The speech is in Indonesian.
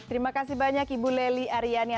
terima kasih banyak ibu lely aryani